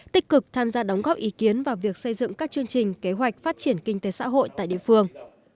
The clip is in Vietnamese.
tích cực tham gia đóng góp ý kiến vào việc xây dựng các chương trình kế hoạch phát triển kinh tế xã hội tại địa phương